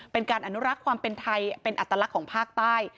เป็นการอนุรักษ์ความเป็นไทยเป็นอัตลักษณ์ของภาคใต้